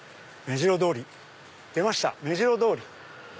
目白通り！出ました目白通り。